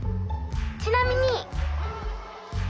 ちなみに。